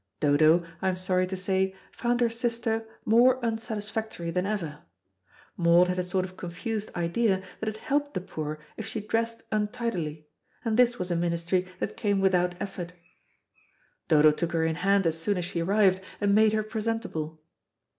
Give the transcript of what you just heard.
Dodo, I am sorry to say, found her sister more unsatisfactory than ever. Maud had a sort of confused idea that it helped the poor if she dressed untidily, and this was a ministry that came without effort. Dodo took her in hand as soon as she arrived, and made her presentable.